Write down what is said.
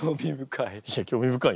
興味深い。